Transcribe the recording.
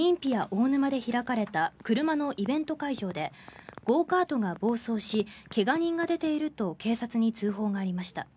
大沼で開かれた車のイベント会場でゴーカートが暴走し怪我人が出ていると警察に通報がありました。